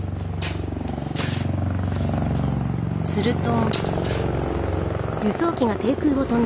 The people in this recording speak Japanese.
すると。